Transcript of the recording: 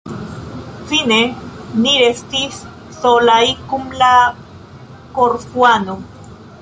Fine ni restis solaj, kun la Korfuano.